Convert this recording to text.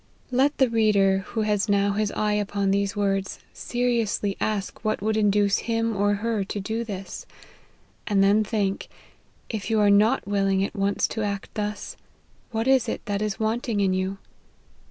Let the reader, who has now his eye upon these words, seriously ask what would induce him or her to do this ; and then think, if you are not willing at once to act thus, what it is that is wanting in you.